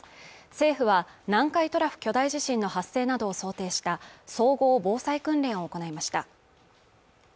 政府は南海トラフ巨大地震の発生などを想定した総合防災訓練を行いました